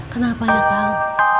kenapa ya kang